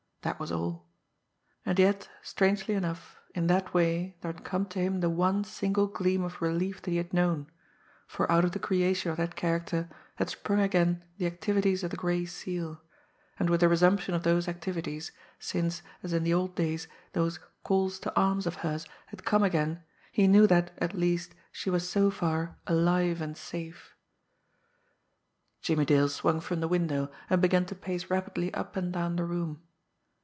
That was all and yet, strangely enough, in that way there had come to him the one single gleam of relief that he had known, for out of the creation of that character had sprung again the activities of the Gray Seal, and with the resumption of those activities, since, as in the old days, those "calls to arms" of hers had come again he knew that, at least, she was so far alive and safe. Jimmie Dale swung from the window, and began to pace rapidly up and down the room.